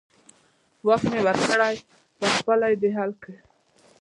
واک مې ورکړی، په خپله دې حل کړي.